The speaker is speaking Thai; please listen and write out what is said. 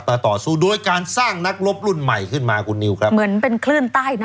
ต่อสู้โดยการสร้างนักรบรุ่นใหม่ขึ้นมาคุณนิวครับเหมือนเป็นคลื่นใต้นะ